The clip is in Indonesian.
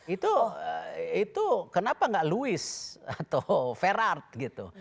itu itu kenapa enggak louis atau ferart gitu